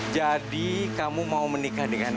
jadi kamu mau menikah dengan manusia